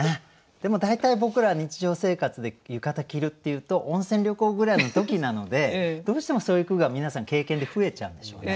でも大体僕ら日常生活で浴衣着るっていうと温泉旅行ぐらいの時なのでどうしてもそういう句が皆さん経験で増えちゃうんでしょうね。